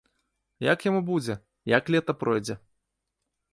Як яму будзе, як лета пройдзе?